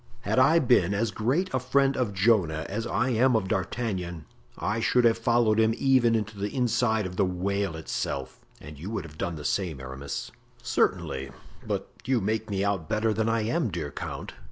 "Had I been as great a friend of Jonah as I am of D'Artagnan I should have followed him even into the inside of the whale itself; and you would have done the same, Aramis." "Certainly—but you make me out better than I am, dear count.